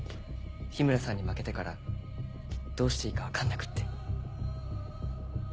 緋村さんに負けてからどうしていいか分かんなくって。